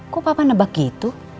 kok papa nebak gitu